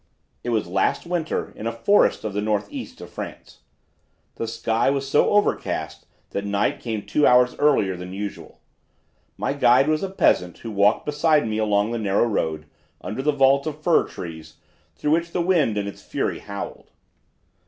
"It was last winter, in a forest of the Northeast of France. The sky was so overcast that night came two hours earlier than usual. My guide was a peasant who walked beside me along the narrow road, under the vault of fir trees, through which the wind in its fury howled.